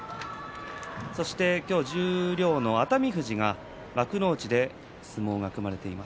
今日、十両の熱海富士が幕内で相撲が組まれています